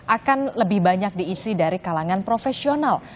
akan lebih banyak diisi dari kalangan profesional